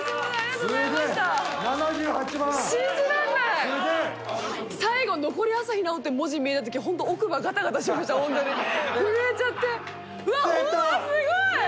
すごい。